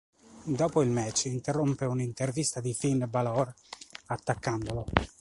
Dopo il match interrompe un'intervista di Finn Bálor, attaccandolo.